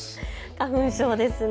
花粉症ですね。